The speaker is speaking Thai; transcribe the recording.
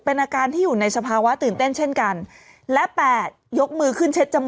เป็นอาการที่อยู่ในสภาวะตื่นเต้นเช่นกันและแปดยกมือขึ้นเช็ดจม